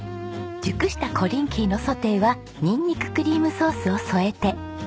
熟したコリンキーのソテーはニンニククリームソースを添えて。